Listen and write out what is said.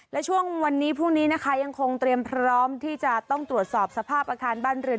และช่วงวันนี้พรุ่งนี้นะคะยังคงเตรียมพร้อมที่จะต้องตรวจสอบสภาพอาคารบ้านเรือน